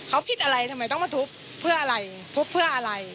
เขาผิดอะไรทำไมต้องมาทุบเพื่ออะไร